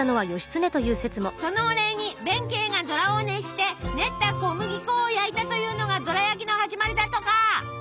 そのお礼に弁慶がどらを熱して練った小麦粉を焼いたというのがどら焼きの始まりだとか。